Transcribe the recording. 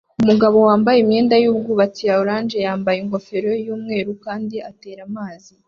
Umugabo wambaye imyenda yubwubatsi ya orange yambaye ingofero yumweru kandi atera amazi